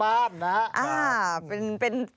เป็นงานที่ไปเที่ยว